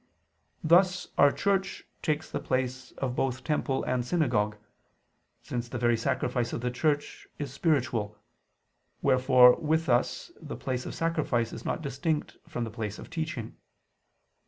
Thus our church takes the place of both temple and synagogue: since the very sacrifice of the Church is spiritual; wherefore with us the place of sacrifice is not distinct from the place of teaching.